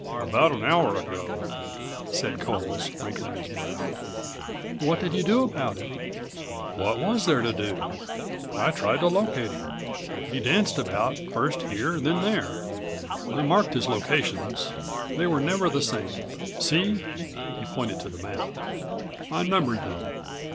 "About an hour ago," said Coles, wrinkling his brow. "What did you do about it?" "What was there to do? I tried to locate him. He danced about, first here, then there. I marked his locations. They were never the same. See," he pointed to the map. "I numbered them.